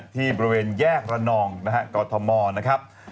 ที่บริเวณแยกระนองนะฮะกอทมนะครับ